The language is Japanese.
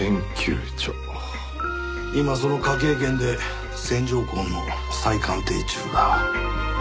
今その科警研で線条痕の再鑑定中だ。